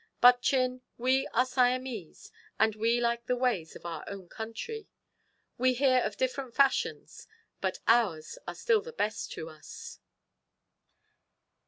But Chin, we are Siamese, and we like the ways of our own country. We hear of different fashions, but ours are still the best to us."